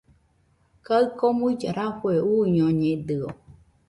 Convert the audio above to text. Kaɨ komuilla rafue uñoñedɨo